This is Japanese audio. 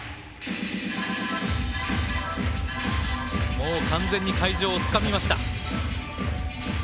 もう完全に会場をつかみました。